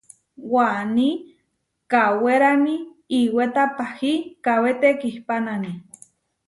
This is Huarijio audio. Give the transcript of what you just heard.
Waní kawérani iʼwéta pahí kawé tekihpánani.